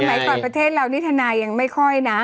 สมัยก่อนประเทศเรานิทนายยังไม่ค่อยนะ